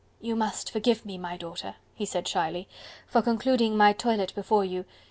"You must forgive me, my daughter," he said shyly, "for concluding my toilet before you.